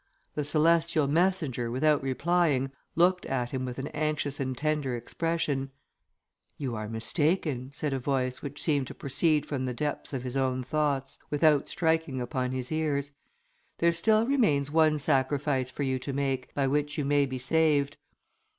The celestial messenger, without replying, looked at him with an anxious and tender expression. "You are mistaken," said a voice which seemed to proceed from the depths of his own thoughts, without striking upon his ears; "there still remains one sacrifice for you to make, by which you may be saved.